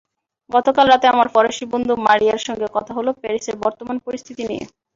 গতকাল রাতে আমার ফরাসি বন্ধু মারিয়ার সঙ্গে কথা হলো প্যারিসের বর্তমান পরিস্থিতি নিয়ে।